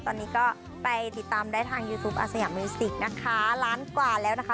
ตอนนี้ก็ไปติดตามได้ทางยูทูปอาสยามิวสิกนะคะล้านกว่าแล้วนะคะ